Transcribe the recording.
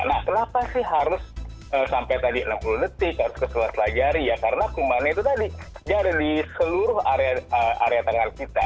nah kenapa sih harus sampai tadi enam puluh detik harus keseluruh jari ya karena kumannya itu tadi dia ada di seluruh area tangan kita